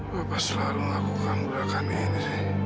papa selalu ngakukan gerakan ini